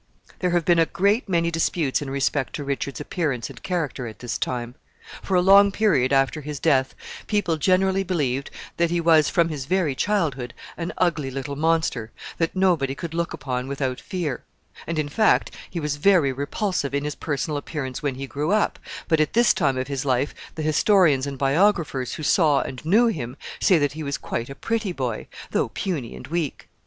There have been a great many disputes in respect to Richard's appearance and character at this time. For a long period after his death, people generally believed that he was, from his very childhood, an ugly little monster, that nobody could look upon without fear; and, in fact, he was very repulsive in his personal appearance when he grew up, but at this time of his life the historians and biographers who saw and knew him say that he was quite a pretty boy, though puny and weak.